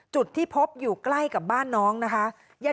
จุดที่พบอยู่ใกล้กับบ้านน้องนะคะ